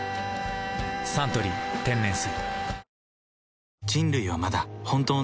「サントリー天然水」